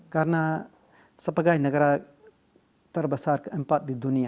karena sebagai negara terbesar keempat di dunia